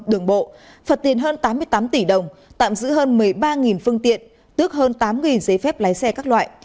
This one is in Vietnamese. đường bộ phật tiền hơn tám mươi tám tỷ đồng tạm giữ hơn một mươi ba phương tiện tước hơn tám giấy phép lái xe các loại